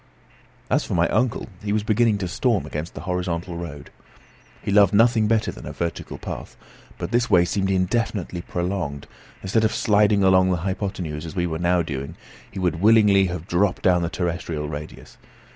As for my uncle, he was beginning to storm against the horizontal road. He loved nothing better than a vertical path; but this way seemed indefinitely prolonged, and instead of sliding along the hypothenuse as we were now doing, he would willingly have dropped down the terrestrial radius.